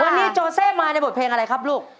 วันนี้โจเซมาในบทเพลงอะไรครับลูก